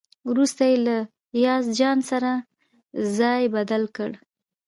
وروسته یې له ایاز جان سره ځای بدل کړ.